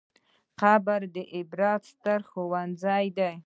قبر د عبرت ستر ښوونځی دی.